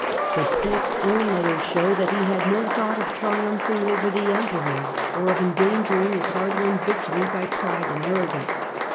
The Pope's own letters show that he had no thought of triumphing over the Emperor, or of endangering his hard won victory by pride and arrogance.